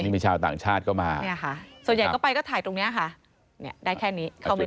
ต่างชาติก็มาเนี่ยค่ะส่วนใหญ่ก็ไปก็ถ่ายตรงเนี่ยค่ะเนี่ยได้แค่นี้เข้าไปได้